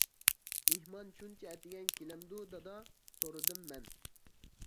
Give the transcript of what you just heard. -مېھمان شۇنچە ئەتىگەن كېلەمدۇ، دادا؟ -سورىدىم مەن.